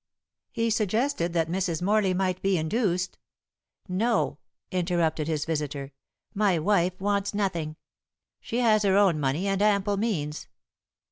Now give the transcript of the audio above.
He suggested that Mrs. Morley might be induced "No," interrupted his visitor, "my wife wants nothing. She has her own money, and ample means."